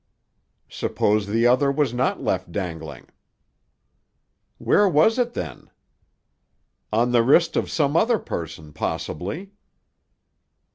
"Suppose the other was not left dangling?" "Where was it, then?" "On the wrist of some other person, possibly."